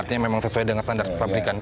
artinya memang sesuai dengan standar pabrikan